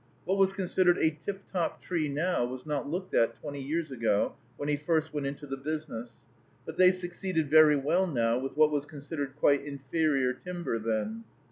What was considered a "tip top" tree now was not looked at twenty years ago, when he first went into the business; but they succeeded very well now with what was considered quite inferior timber then.